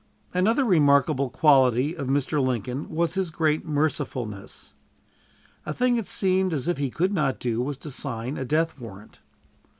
Another remarkable quality of Mr. Lincoln was his great mercifulness. A thing it seemed as if he could not do was to sign a death warrant.